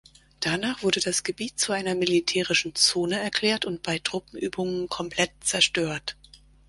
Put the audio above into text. Danach wurde das Gebiet zu einer militärischen Zone erklärt und bei Truppenübungen komplett zerstört.